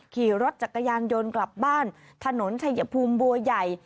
ขี่รถจักรยานยนต์กลับบ้านถนนชัยภูมิบัวใหญ่